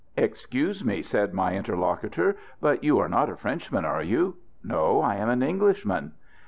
"Excuse me," said my interlocutor, "but you are not a Frenchman, are you?" "No; I am an Englishman."